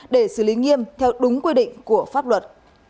để xử lý nghiêm theo đúng quy định của pháp luật